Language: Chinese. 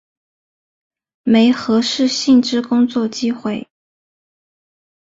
媒合适性之工作机会